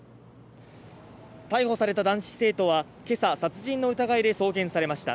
逮捕された男子生徒は今朝殺人の疑いで送検されました。